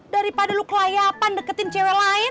daripada lu kelayapan deketin cewek lain